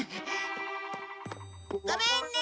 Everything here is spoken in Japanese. ごめんね！